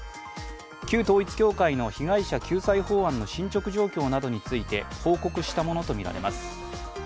旧統一教会の被害者救済法案の進捗状況などについて報告したものとみられます。